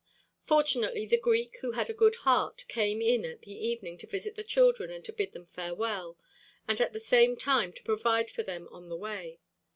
Fortunately the Greek, who had a good heart, came in at the evening to visit the children and to bid them farewell, and at the same time to provide for them on the way.